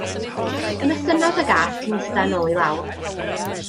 Ymestynnodd y gath cyn ista yn ôl i lawr.